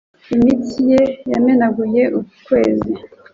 Imitsi ye yamenaguye ukwezi,